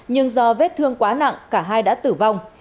nhưng do vết thương quá nặng cả hai đã tử vong